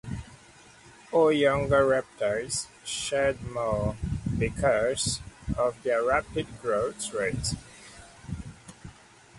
O Younger reptiles shed more because of their rapid growth rate.